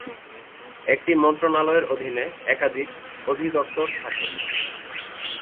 একটি মন্ত্রণালয়ের অধীনে একাধিক অধিদপ্তর থাকে।